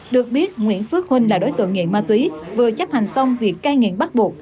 được biết nguyễn phước huynh là đối tượng nghiện ma túy vừa chấp hành xong việc cai nghiện bắt buộc